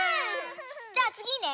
じゃあつぎね。